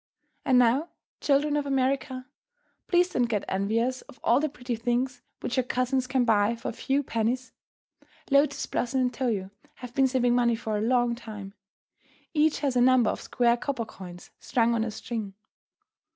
And now, children of America, please don't get envious of all the pretty things which your cousins can buy for a few pennies. Lotus Blossom and Toyo have been saving money for a long time. Each has a number of square copper coins strung on a string.